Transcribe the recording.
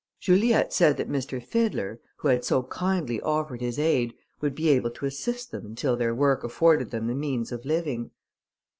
Juliette said that M. Fiddler, who had so kindly offered his aid, would be able to assist them until their work afforded them the means of living.